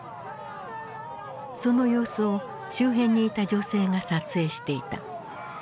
その様子を周辺にいた女性が撮影していた。